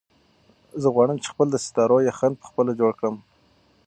زه غواړم چې خپل د ستارو یخن په خپله جوړ کړم.